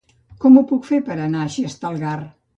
Com ho puc fer per anar a Xestalgar?